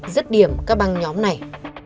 rất điểm các băng nhóm này